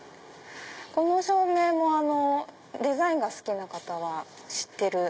この照明もデザインが好きな方は知ってる。